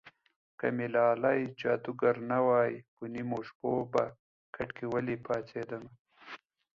که مې لالی جادوګر نه وای په نیمو شپو به کټ کې ولې پاڅېدمه